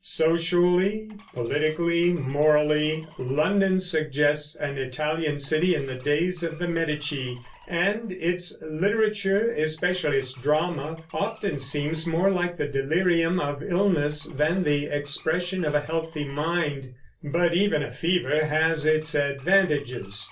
Socially, politically, morally, London suggests an Italian city in the days of the Medici; and its literature, especially its drama, often seems more like the delirium of illness than the expression of a healthy mind. But even a fever has its advantages.